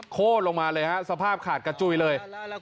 โค้นลงมาเลยฮะสภาพขาดกระจุยเลย